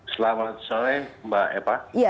selamat sore mbak eva